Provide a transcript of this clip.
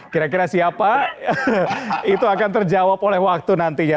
kira kira siapa itu akan terjawab oleh waktu nantinya